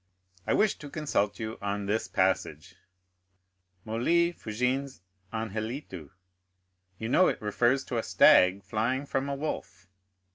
"I wish to consult you on this passage, 'Molli fugiens anhelitu,' you know it refers to a stag flying from a wolf.